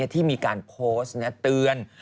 ที่มีการโพสต์เตือน